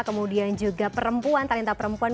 kemudian juga perempuan